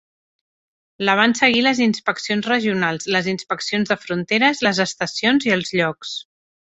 La van seguir les inspeccions regionals, les inspeccions de fronteres, les estacions i els llocs.